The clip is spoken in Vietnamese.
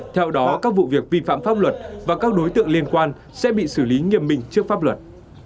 theo đó các vụ việc vi phạm pháp luật và các đối tượng liên quan sẽ bị xử lý nghiêm minh trước pháp luật